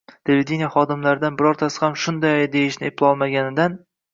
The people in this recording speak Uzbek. televideniye xodimlaridan birortasi ham “shunday!”, deyishni eplolmaganidan